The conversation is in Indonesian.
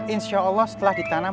insya allah setelah ditanam